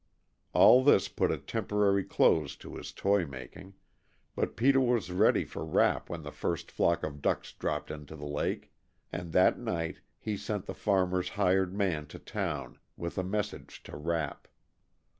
All this put a temporary close to his toy making, but Peter was ready for Rapp when the first flock of ducks dropped into the lake, and that night he sent the farmer's hired man to town with a message to Rapp.